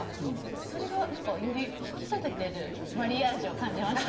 それがなんかより引き立ててるマリアージュを感じました。